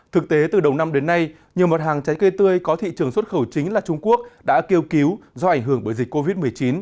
thực tế từ đầu năm đến nay nhiều mặt hàng trái cây tươi có thị trường xuất khẩu chính là trung quốc đã kêu cứu do ảnh hưởng bởi dịch covid một mươi chín